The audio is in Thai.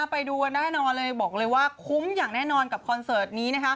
ไปดูกันแน่นอนเลยบอกเลยว่าคุ้มอย่างแน่นอนกับคอนเสิร์ตนี้นะครับ